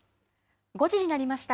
５時になりました。